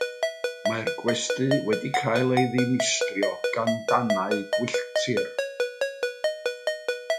Mae'r gwesty wedi cael ei ddinistrio gan danau gwylltir.